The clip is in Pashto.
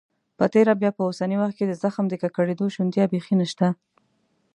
په تیره بیا په اوسني وخت کې د زخم د ککړېدو شونتیا بيخي نشته.